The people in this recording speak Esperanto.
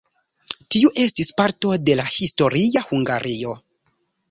Tiu estis parto de la historia Hungario.